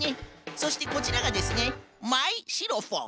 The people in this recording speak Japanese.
そしてこちらがですねマイシロフォン。